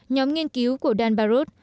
nhóm nghiên cứu của dan baruth